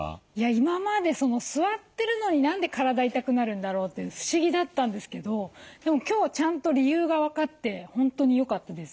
今まで座ってるのに何で体痛くなるんだろうって不思議だったんですけどでも今日ちゃんと理由が分かって本当に良かったです。